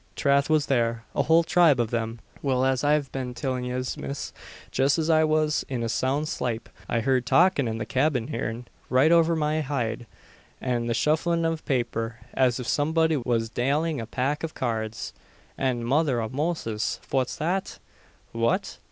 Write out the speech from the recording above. "Trath was there a whole tribe av thim. Well, as I've been tillin' yez, miss, jest as I wus in a soun' slape, I heerd talkin' in the cyabin heern, right over my hid, an the shufflin' av paper, as if somebody was dalin' a pack av cards, an Mother av Moses! fwhat's that?" "What?"